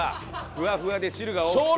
ふわふわで汁が多くて。